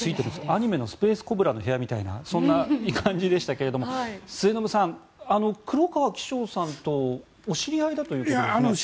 アニメの「スペースコブラ」の部屋みたいなそんな感じでしたが末延さん、黒川紀章さんとお知り合いだということですが。